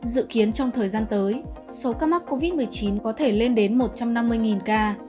dự kiến trong thời gian tới số ca mắc covid một mươi chín có thể lên đến một trăm năm mươi ca